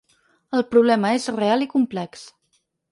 El problema és real i complex.